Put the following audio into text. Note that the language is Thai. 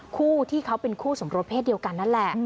คู่ที่เขาเป็นคู่สมรสเพศเดียวกันนั่นแหละ